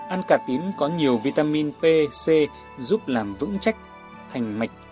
ăn cà tím có nhiều vitamin p c giúp làm vững chách thành mạch